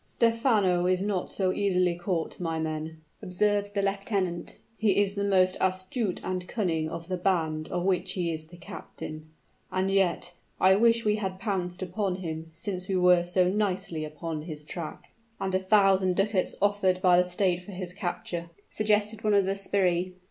"Stephano is not so easily caught, my men," observed the lieutenant. "He is the most astute and cunning of the band of which he is the captain. And yet, I wish we had pounced upon him, since we were so nicely upon his track." "And a thousand ducats offered by the state for his capture," suggested one of the sbirri.